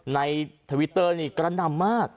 ทวิตเตอร์นี่กระหน่ำมาก